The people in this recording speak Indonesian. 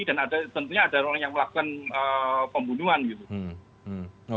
dan ada tentunya ada orang yang melakukan pembunuhan gitu